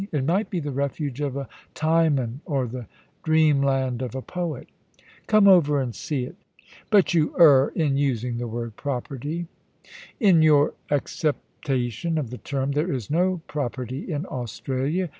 It might be the refuge of a Timon, or the dreamland of a poet. Come over and see it But you en in using the \^oxA property. In your accep tation of the term, there is no property in Australia.